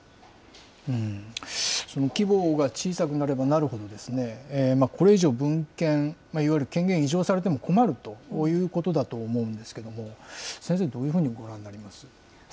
規模が小さくなればなるほど、これ以上、分権、いわゆる権限を委譲されても困るということだと思うんですけれども、先生、どういうふうにご覧になりますか。